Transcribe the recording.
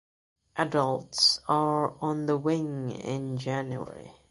Adults are on the wing in January.